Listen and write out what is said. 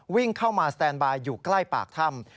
วิ่งเข้ามาสแตนบายอยู่ใกล้ปากถ้ำ